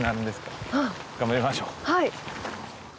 はい。